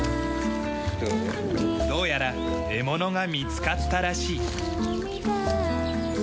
どうやら獲物が見つかったらしい。